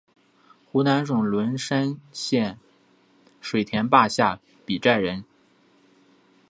湖南省龙山县水田坝下比寨人。